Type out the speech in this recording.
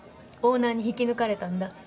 オーナーに引き抜かれたんだ。